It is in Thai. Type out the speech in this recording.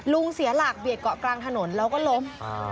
เสียหลักเบียดเกาะกลางถนนแล้วก็ล้ม